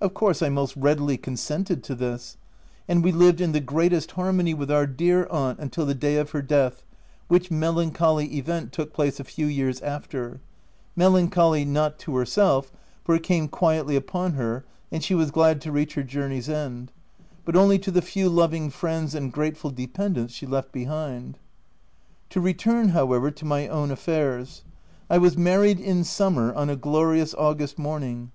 5 ' Of course I most readily consented to this ; and we lived in the greatest harmony with our dear aunt until the day of her death, which melancholy event took place a few years after — melancholy, not to herself (for it came quietly upon her, and she was glad to reach her journey's end), but only to the few loving friends and grateful dependants she left behind. To return, however, to my own affairs: I was married in summer, on a glorious August morning.